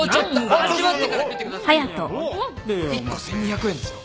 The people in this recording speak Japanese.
１個１，２００円ですよ。